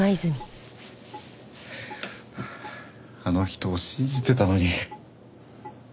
あの人を信じてたのに。